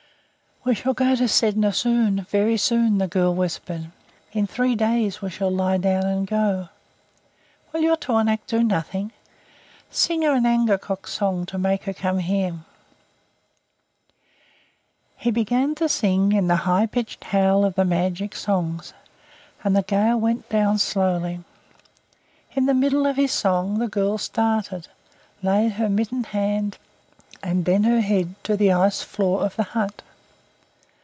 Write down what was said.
"We shall go to Sedna soon very soon," the girl whispered. "In three days we shall lie down and go. Will your tornaq do nothing? Sing her an angekok's song to make her come here." He began to sing in the high pitched howl of the magic songs, and the gale went down slowly. In the middle of his song the girl started, laid her mittened hand and then her head to the ice floor of the hut.